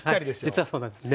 実はそうなんです。